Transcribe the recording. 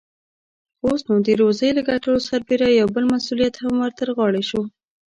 اوس، نو د روزۍ له ګټلو سربېره يو بل مسئوليت هم ور ترغاړې شو.